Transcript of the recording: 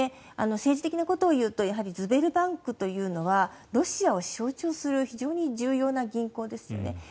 政治的なことをいうとズベルバンクというのはロシアを象徴する非常に重要な銀行ですよね。